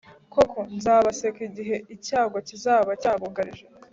koko, nzabaseka igihe icyago kizaba cyabugarije